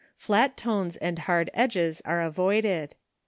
Flat tones and hard edges are avoided.